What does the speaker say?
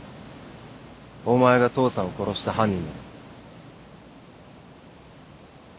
お前が父さんを殺した犯人だな。